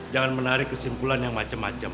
jangan menarik kesimpulan yang macem macem